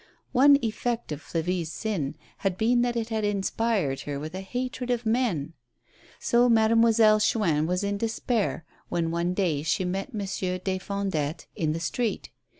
One effect of Flavie^s sin had been that it had inspired her with a hatred of men. So Mademoiselle Chuin was in despair, when one day she met Monsieur des Fondettes in the street.